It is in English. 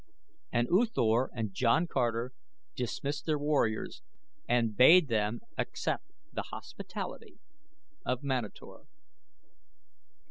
And U Thor and John Carter dismissed their warriors and bade them accept the hospitality of Manator.